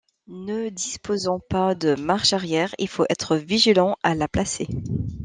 Ne disposant pas de marche arrière il faut être vigilant à la placer.